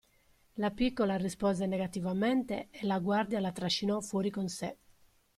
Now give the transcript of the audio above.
La piccola rispose negativamente e la guardia la trascinò fuori con sé.